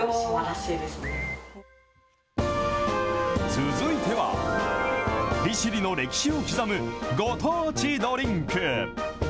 続いては、利尻の歴史を刻むご当地ドリンク。